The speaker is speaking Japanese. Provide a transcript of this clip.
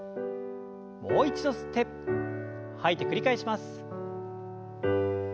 もう一度吸って吐いて繰り返します。